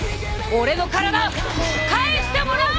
俺の体返してもらう！